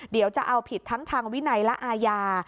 เดี๋ยวจะเอาผิดทั้งทางวินัยและอาญา